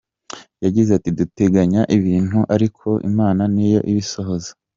Yagize ati “Duteganya ibintu ariko Imana ni yo ibisohoza.